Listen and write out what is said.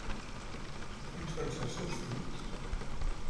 Quins van ser els seus fills?